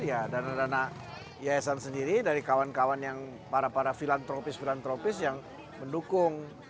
iya dana dana yayasan sendiri dari kawan kawan yang para para filantropis filantropis yang mendukung